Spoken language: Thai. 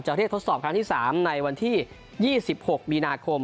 เรียกทดสอบครั้งที่๓ในวันที่๒๖มีนาคม